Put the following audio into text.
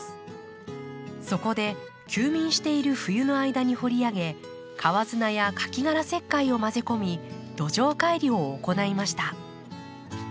そこで休眠している冬の間に掘り上げ川砂やカキ殻石灰を混ぜ込み土壌改良を行いました。